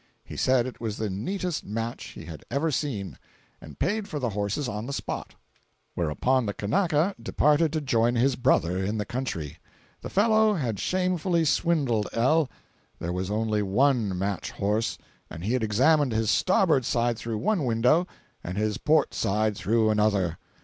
He said it was the neatest match he had ever seen, and paid for the horses on the spot. Whereupon the Kanaka departed to join his brother in the country. The fellow had shamefully swindled L. There was only one "match" horse, and he had examined his starboard side through one window and his port side through another!